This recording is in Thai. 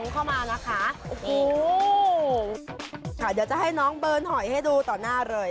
เดี๋ยวจะให้น้องเบิร์นหอยให้ดูต่อหน้าเลย